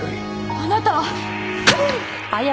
あなたは！